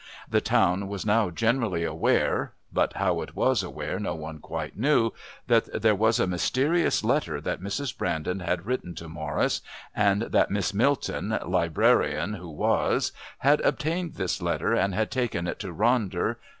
The Town was now generally aware (but how it was aware no one quite knew) that there was a mysterious letter that Mrs. Brandon had written to Morris, and that Miss Milton, librarian who was, had obtained this letter and had taken it to Ronder.